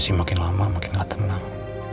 jessie makin lama makin gak tenang